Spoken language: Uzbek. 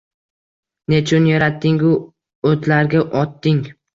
Nechun yaratding-u o’tlarga otding?